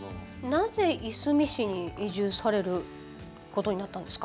なぜいすみ市に移住されることになったんですか？